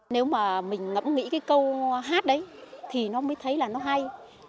nếu mà mình ngẫm nghĩ cái câu hát đấy thì nó mới thấy là nó hay